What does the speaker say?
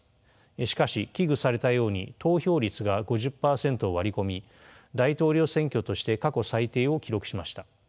しかし危惧されたように投票率が５０％を割り込み大統領選挙として過去最低を記録しました。